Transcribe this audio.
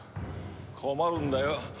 困るんだよ。